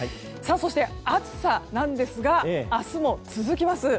そして暑さなんですが明日も続きます。